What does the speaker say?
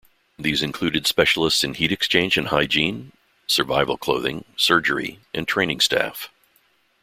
These included specialists in heat exchange and hygiene, survival clothing, surgery, and training staff.